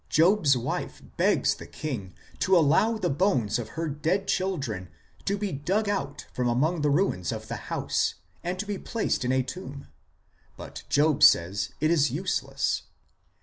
Job s wife begs the king to allow the bones of her dead children to be dug out from among the ruins of the house, and to be placed in a tomb ; but Job says it is useless.